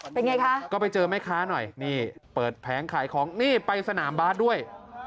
เป็นไงคะก็ไปเจอแม่ค้าหน่อยนี่เปิดแผงขายของนี่ไปสนามบาสด้วย